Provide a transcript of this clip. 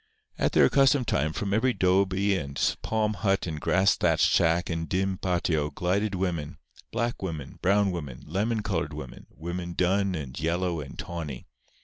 At their accustomed time, from every 'dobe and palm hut and grass thatched shack and dim patio glided women—black women, brown women, lemon colored women, women dun and yellow and tawny.